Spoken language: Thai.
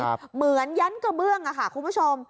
เหมือนยั้นกระเบื้องอะค่ะคุณผู้ชม